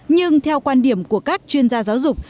nhưng theo quan điểm của các chuyên gia giáo dục